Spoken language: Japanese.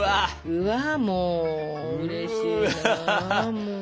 うわもううれしいなもう。